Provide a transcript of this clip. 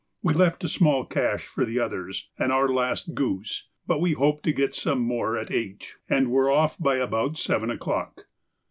We left a small cache for the others, and our last goose, but we hoped to get some more at H, and were off by about seven o'clock.